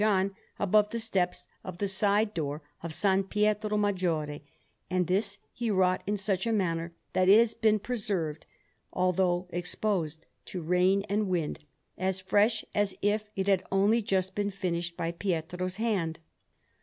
John, above the steps of the side door of S. Pietro Maggiore; and this he wrought in such a manner, that it has been preserved, although exposed to rain and wind, as fresh as if it had only just been finished by Pietro's hand.